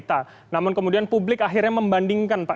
kan memang sudah terungkap